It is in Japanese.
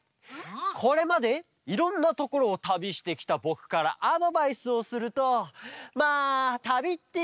これまでいろんなところをたびしてきたぼくからアドバイスをするとまあたびっていうのは。